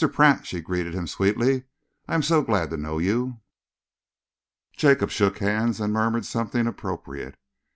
Pratt," she greeted him sweetly. "I am so glad to know you." Jacob shook hands and murmured something appropriate.